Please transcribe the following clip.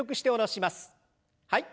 はい。